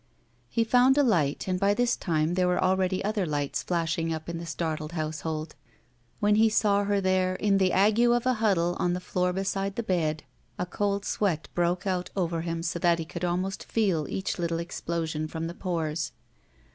He foimd a Ught, and by this time there were already other lights flashing up in the startled house hold. When he saw her there in the ague of a huddle on the floor beside the bed, a cold sweat broke out 197 GUILTY over him so that he could ahnost feel each little explosion £rom the pores.